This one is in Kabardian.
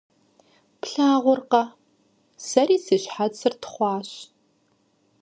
Плъагъуркъэ, сэри си щхьэцыр тхъуащ.